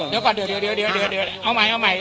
เดี๋ยวก่อนเดี๋ยวเดี๋ยวเดี๋ยวเดี๋ยวเอาใหม่เอาใหม่